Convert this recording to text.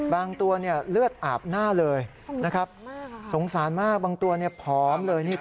บางตัวเลือดอาบหน้าเลยนะครับสงสารมากบางตัวผอมเลย